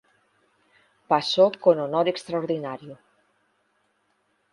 Pasó con honor extraordinario.